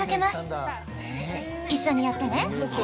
一緒にやってね。